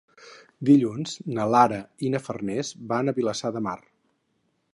Dilluns na Lara i na Farners van a Vilassar de Mar.